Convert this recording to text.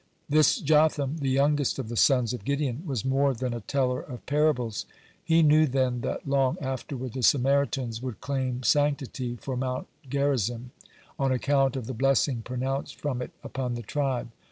This Jotham, the youngest of the sons of Gideon, was more than a teller of parables. He knew then that long afterward the Samaritans would claim sanctity for Mount Gerizim, on account of the blessing pronounced from it upon the tribe.